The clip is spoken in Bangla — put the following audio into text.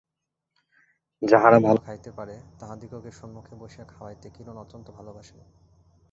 যাহারা ভালো খাইতে পারে, তাহাদিগকে সম্মুখে বসিয়া খাওয়াইতে কিরণ অত্যন্ত ভালোবাসেন।